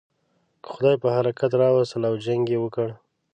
که خدای پر حرکت را وستل او جنګ یې وکړ.